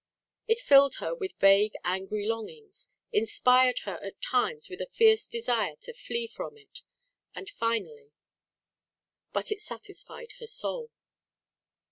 It filled her with vague angry longings, inspired her at times with a fierce desire to flee from it, and finally; but it satisfied her soul.